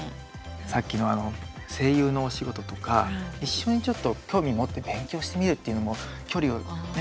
さっきのあの声優のお仕事とか一緒にちょっと興味持って勉強してみるというのも距離をね